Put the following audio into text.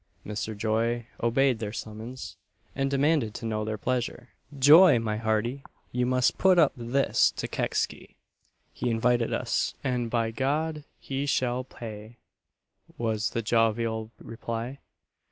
Mr. Joy obeyed their summons, and demanded to know their pleasure. "Joy, my hearty! you must put up this to Kecksy. He invited us, and by G d he shall pay," was the jovial reply.